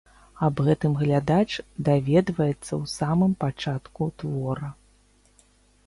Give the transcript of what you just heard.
Аб гэтым глядач даведваецца ў самым пачатку твора.